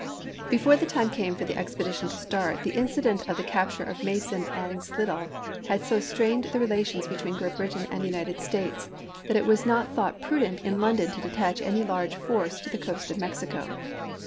Before the time came for the expedition to start the incident of the capture of Mason and Slidell had so strained the relations between Great Britain and the United States that it was not thought prudent in London to detach any large force to the coast of Mexico.